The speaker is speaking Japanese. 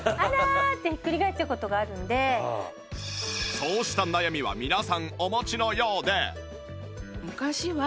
そうした悩みは皆さんお持ちのようで